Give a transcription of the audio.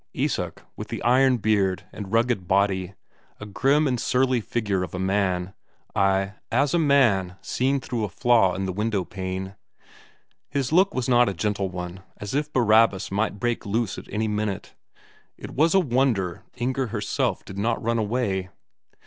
Isak with the iron beard and rugged body, a grim and surly figure of a man; ay, as a man seen through a flaw in the window pane. His look was not a gentle one; as if Barabbas might break loose at any minute. It was a wonder Inger herself did not run away.